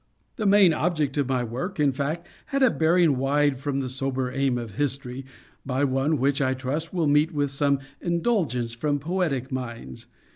The main object of my work, in fact, had a bearing wide from the sober aim of history, but one which, I trust, will meet with some indulgence from poetic minds.